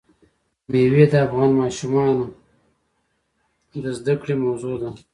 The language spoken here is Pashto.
مېوې د افغان ماشومانو د زده کړې موضوع ده.